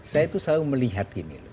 saya itu selalu melihat gini